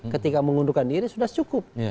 ketika mengundurkan diri sudah cukup